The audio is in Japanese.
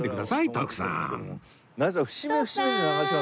徳さん！